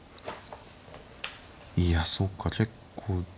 いやそうか結構。